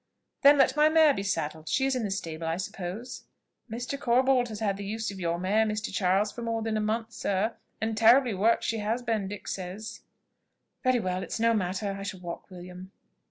"Then let my mare be saddled. She is in the stable, I suppose?" "Mr. Corbold has had the use of your mare, Mr. Charles, for more than a month, sir: and terribly worked she has been, Dick says." "Very well it's no matter: I shall walk, William."